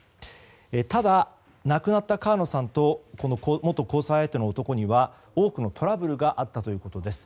ただ、亡くなった川野さんと元交際相手の男には多くのトラブルがあったということです。